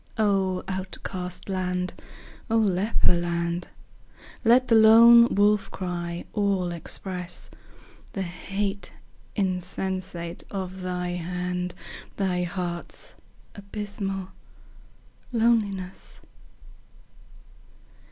O outcast land! O leper land! Let the lone wolf cry all express The hate insensate of thy hand, Thy heart's abysmal loneliness.